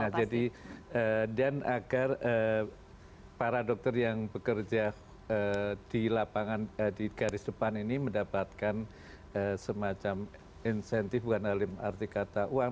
nah jadi dan agar para dokter yang bekerja di lapangan di garis depan ini mendapatkan semacam insentif bukan arti kata uang